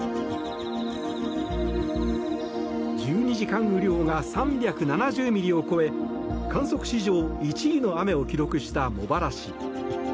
１２時間雨量が３７０ミリを超え観測史上１位の雨を記録した茂原市。